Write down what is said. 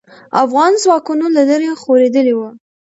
افغان ځواکونه له لرې خورېدلې وو.